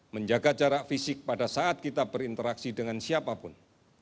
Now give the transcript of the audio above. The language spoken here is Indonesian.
menjaga jarak fisik pada saat kita berinteraksi dengan siapapun